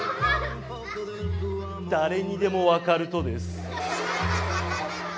誰にでも分かるとです。